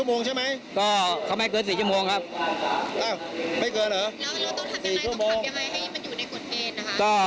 แล้วต้องทำยังไงต้องขับยังไงให้มันอยู่ในกลุ่มเมตรนะครับ